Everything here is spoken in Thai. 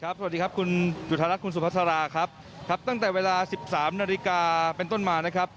ครับสวัสดีครับคุณอยุธารักษ์คุณสุภาษาตั้งแต่เวลา๑๓นาฬิกาเป็นต้นมานะครับ